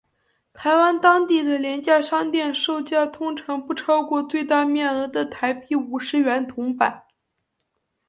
台湾当地的廉价商店售价通常不超过最大面额的台币五十元铜板。